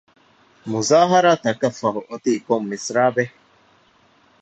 މުޒާހަރާތަކަށް ފަހު އޮތީ ކޮން މިސްރާބެއް؟